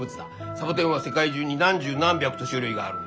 サボテンは世界中に何十何百と種類があるんだよ。